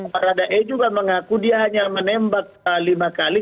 baradae juga mengaku dia hanya menembak lima kali